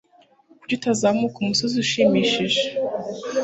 Kuki utazamuka umusozi ushimishije